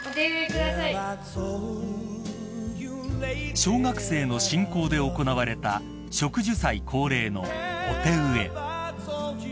［小学生の進行で行われた植樹祭恒例のお手植え］